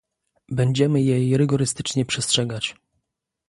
Będziemy jej rygorystycznie przestrzegać